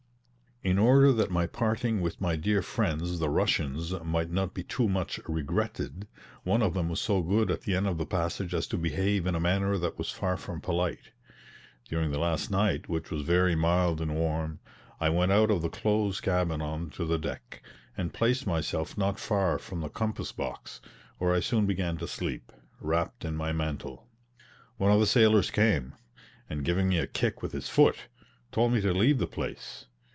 In order that my parting with my dear friends, the Russians, might not be too much regretted, one of them was so good at the end of the passage as to behave in a manner that was far from polite. During the last night which was very mild and warm, I went out of the close cabin on to the deck, and placed myself not far from the compass box, where I soon began to sleep, wrapt in my mantle. One of the sailors came, and giving me a kick with his foot, told me to leave the place.